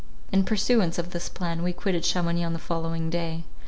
In pursuance of this plan we quitted Chamounix on the following day.